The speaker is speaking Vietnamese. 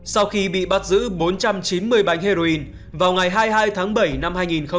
sau khi bị bắt giữ bốn trăm chín mươi bánh heroin vào ngày hai mươi hai tháng bảy năm hai nghìn hai mươi